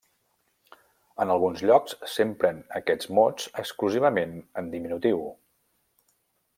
En alguns llocs s'empren aquests mots exclusivament en diminutiu.